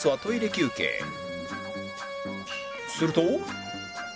すると